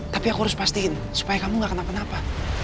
tapi aku harus pastiin supaya kamu gak kenapa napa